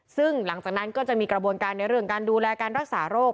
ซึ่งหลังจากนั้นก็จะมีกระบวนการในเรื่องการดูแลการรักษาโรค